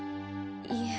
いえ。